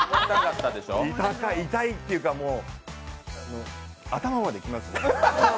痛いっていうか、頭まできますね。